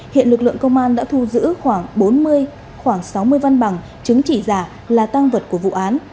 hiện lực lượng công an đã thu giữ khoảng bốn mươi khoảng sáu mươi văn bằng chứng chỉ giả là tăng vật của vụ án